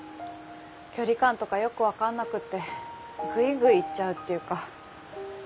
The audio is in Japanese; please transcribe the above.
距離感とかよく分かんなくってグイグイ行っちゃうっていうか。